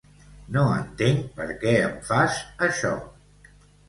no entenc per què em fas això